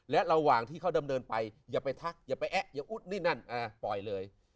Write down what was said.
และระหว่างที่เขาดำเนินไปอย่าไปทักอย่าไปแอ๊ะอย่าอุ๊ดนี่นั่นปล่อยเลย